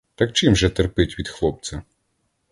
Так чим же терпить від хлопця?